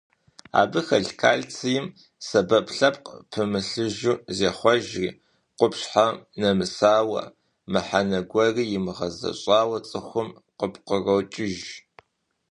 Абы хэлъ кальцийм сэбэп лъэпкъ пымылъыжу зехъуэжри, къупщхьэм нэмысауэ, мыхьэнэ гуэри имыгъэзэщӀауэ цӀыхум къыпкърокӀыж.